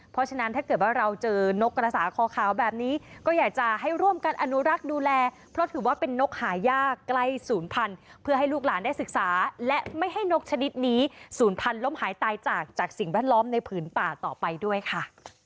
เพราะฉะนั้นถ้าเกิดว่าเราเจอนกกระสาคอขาวแบบนี้ก็อยากจะให้ร่วมกันอนุรักษ์ดูแลเพราะถือว่าเป็นนกหายากใกล้ศูนย์พันธุ์เพื่อให้ลูกหลานได้ศึกษาและไม่ให้นกชนิดนี้ศูนย์พันธุล้มหายตายจากจากสิ่งแวดล้อมในผืนป่าต่อไปด้วยค่ะ